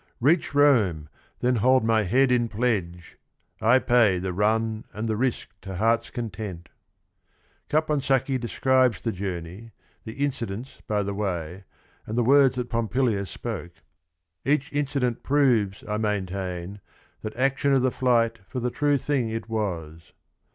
Reach Rome, then hold my head in pledge, I pay The run and the risk to heart's content I " Capon sacchi describes the journey, th e in cidents by the way, and the words that Pompilia spoke. "Each incident Proves, I maintain, that action of the flight For the true thing it was."